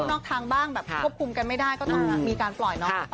นอกทางบ้างแบบควบคุมกันไม่ได้ก็ต้องมีการปล่อยเนาะ